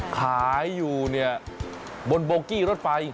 ขายอยู่บนโบกี้รถไฟ